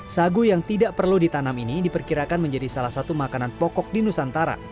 sagu yang tidak perlu ditanam ini diperkirakan menjadi salah satu makanan pokok di nusantara